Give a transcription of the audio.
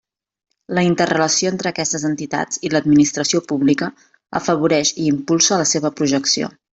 La interrelació entre aquestes entitats i l'Administració pública afavoreix i impulsa la seva projecció.